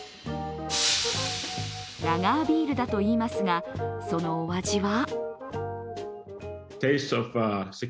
ラガービールだといいますがそのお味は？